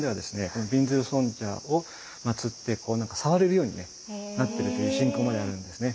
この賓頭盧尊者をまつって触れるようにねなってるという信仰まであるんですね。